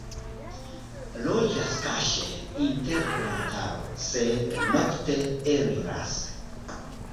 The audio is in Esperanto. Loĝas kaŝe inter plantaro, sed nokte eliras.